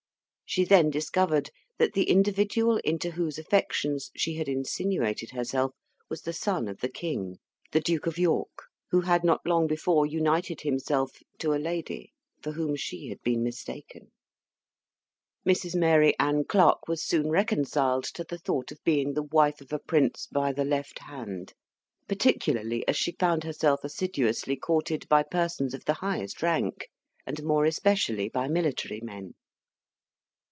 She then discovered that the individual into whose affections she had insinuated herself was the son of the King, the Duke of York, who had not long before united himself to a lady, for whom she had been mistaken. Mrs. Mary Anne Clarke was soon reconciled to the thought of being the wife of a prince by the left hand, particularly as she found herself assiduously courted by persons of the highest rank, and more especially by military men.